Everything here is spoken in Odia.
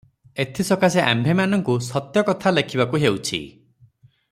ଏଥିସକାଶେ ଆମ୍ଭେମାନଙ୍କୁ ସତ୍ୟକଥା ଲେଖିବାକୁ ହେଉଛି ।